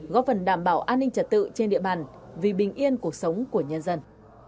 góp phần đảm bảo an ninh trật tự trên địa bàn vì bình yên cuộc sống của nhân dân